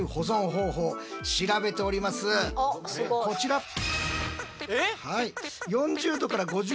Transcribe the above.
こちら。